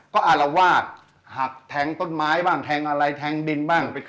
ก็อารวาสหักแทงต้นไม้บ้างแทงอะไรแทงดินบ้าง